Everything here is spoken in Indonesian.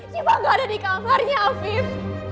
syifa gak ada di kamarnya afin